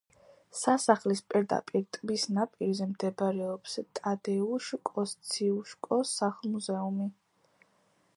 სასახლის პირდაპირ ტბის ნაპირზე მდებარეობს ტადეუშ კოსციუშკოს სახლ-მუზეუმი.